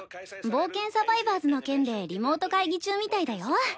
「冒険サバイバーズ」の件でリモート会議中みたいだよ。